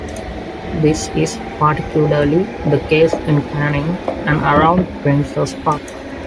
This is particularly the case in Canning, and around Princes Park.